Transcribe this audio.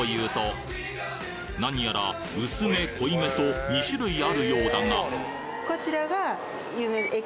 なにやら薄め・濃いめと２種類あるようだがこちらが。